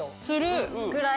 ぐらい